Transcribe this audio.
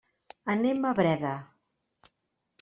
Anem a Breda.